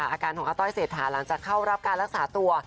อาการของอาต้อยเศรษฐาหลังจากเข้ารับการรักษาตัว